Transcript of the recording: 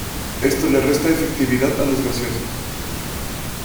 Esto les resta efectividad a los gaseosos.